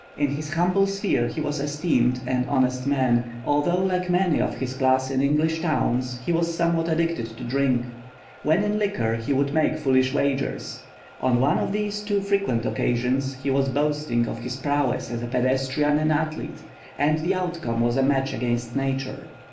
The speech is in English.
In his humble sphere he was esteemed an honest man, although like many of his class in English towns he was somewhat addicted to drink. When in liquor he would make foolish wagers. On one of these too frequent occasions he was boasting of his prowess as a pedestrian and athlete, and the outcome was a match against nature.